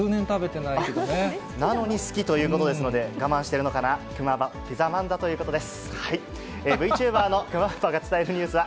なのに好きということですので、我慢してるのかな、クマーバ、ピザまんだということです。